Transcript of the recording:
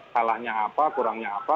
salahnya apa kurangnya apa